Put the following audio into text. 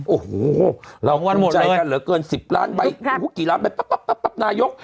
โอ้โหเราคุ้มใจกันเหลือเกินสิบล้านไปหูกี่ล้านไปปั๊บปั๊บปั๊บนายก